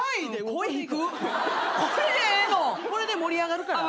これで盛り上がるから。